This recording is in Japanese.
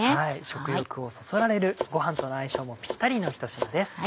食欲をそそられるご飯との相性もぴったりのひと品です。